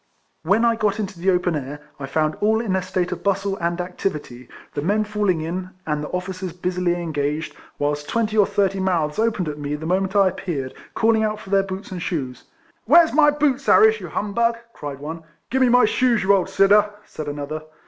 When I got into the 'rifleman HARRIS. 53 open air, I found all in a state of bustle and activity, the men falling in, and the officers busily engaged, whilst twenty or thirty mouths opened at me the moment I ap peared, calling out for their boots and shoes. —" Where 's my boots, Harris, you hum bug ?" cried one. "Give me my shoes, you old sinner," said another.